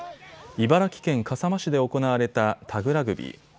茨城県笠間市で行われたタグラグビー。